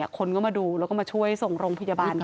คนก็มาดูแล้วก็มาช่วยส่งโรงพยาบาลกัน